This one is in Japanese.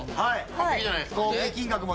完璧じゃないですか。